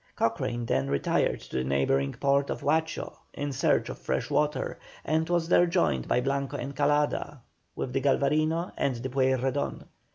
Cochrane then retired to the neighbouring port of Huacho in search of fresh water, and was there joined by Blanco Encalada with the Galvarino and the Pueyrredon.